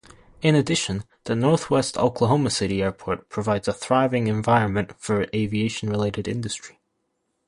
In addition, the northwest Oklahoma City airport provides a thriving environment for aviation-related industry.